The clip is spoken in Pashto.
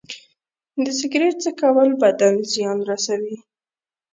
د سګرټ څکول بدن زیان رسوي.